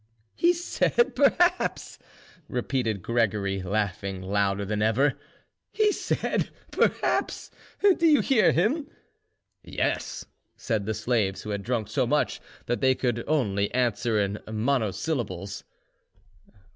"He said 'perhaps,' repeated Gregory," laughing louder than ever,—"he said 'perhaps.' Did you hear him?" "Yes," said the slaves, who had drunk so much that they could only answer in monosyllables.